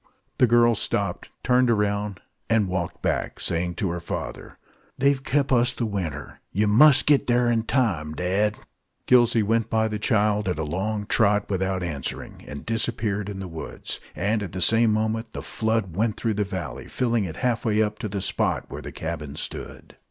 The girl stopped, turned round, and walked back, saying to her father, "They've kep' us the winter. Yer must git thar in time, dad!" Gillsey went by the child, at a long trot, without answering, and disappeared in the woods; and at the same moment the flood went through the valley, filling it half way up to the spot where the cabin stood.